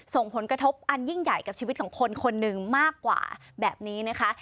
ส่งผลกระทบอันยิ่งใหญ่กับชีวิตของคนคนหนึ่งมากกว่าแบบนี้นะคะ